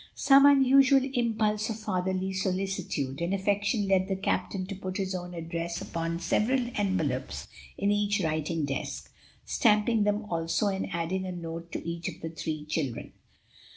Some unusual impulse of fatherly solicitude and affection led the captain to put his own address upon several envelopes in each writing desk, stamping them also and adding a note to each of the three children.